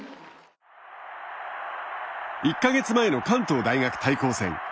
１か月前の関東大学対抗戦。